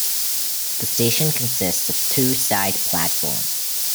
The station consists of two side platforms.